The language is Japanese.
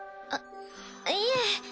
あっいえ。